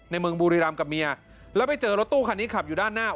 เมืองบุรีรำกับเมียแล้วไปเจอรถตู้คันนี้ขับอยู่ด้านหน้า